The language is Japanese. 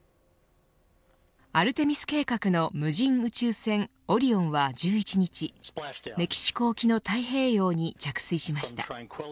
アルテミス計画の無人宇宙船オリオンは、１１日メキシコ沖の太平洋に着水しました。